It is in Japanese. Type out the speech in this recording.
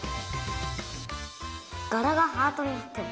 がらがハートになってる。